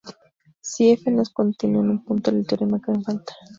Si f no es continua en un punto, el teorema cae en falta.